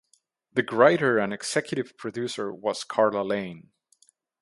The writer and executive producer was Carla Lane.